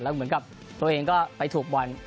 เหมือนกับตัวเองก็ไปถูกบอล